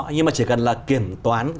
nhưng mà chỉ cần là kiểm toán